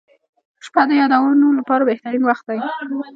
• شپه د یادونو لپاره بهترین وخت دی.